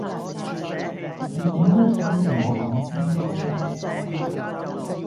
你點都可以同我講聲嘅啫